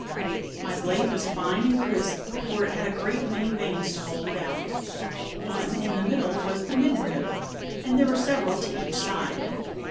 29 " My blade was fine and crisp, for it had a great many veins to hold it out. One, in the middle was the midrib and there were several to each side.